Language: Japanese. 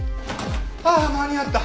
ああ間に合った！